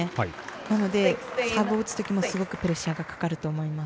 なので、サーブを打つときもすごくプレッシャーがかかると思います。